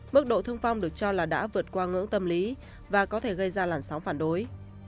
mức độ thương vong được cho là đã vượt qua ngưỡng tâm lý và có thể gây ra làn sóng phản đối